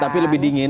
tapi lebih dingin